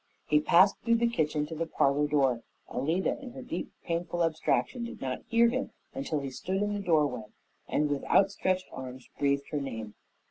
He passed through the kitchen to the parlor door. Alida, in her deep, painful abstraction, did not hear him until he stood in the doorway, and, with outstretched arms, breathed her name.